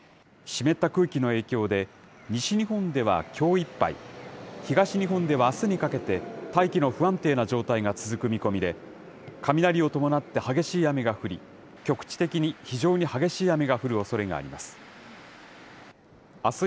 湿った空気の影響で、西日本ではきょういっぱい、東日本ではあすにかけて、大気の不安定な状態が続く見込みで、雷を伴って激しい雨が降り、局地的に非常に激しい雨が降るおそれがあります。